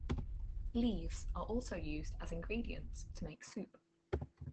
Leaves are also used as ingredients to make soup.